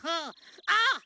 あっ！